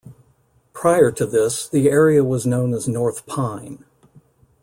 Prior to this, the area was known as North Pine.